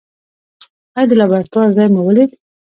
ایا د لابراتوار ځای مو ولید؟